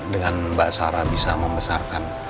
dengan mbak sarah bisa membesarkan